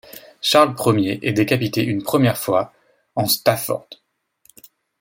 Charles Ier est décapité une première fois en Stafford.